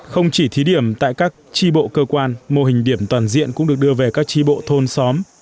không chỉ thí điểm tại các tri bộ cơ quan mô hình điểm toàn diện cũng được đưa về các tri bộ thôn xóm